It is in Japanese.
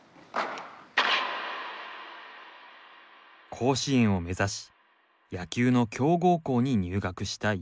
甲子園を目指し野球の強豪校に入学したユーイチ。